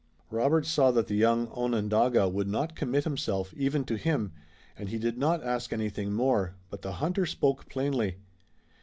Robert saw that the young Onondaga would not commit himself, even to him, and he did not ask anything more, but the hunter spoke plainly.